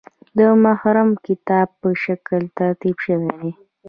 د محرم کتاب په شکل ترتیب شوی.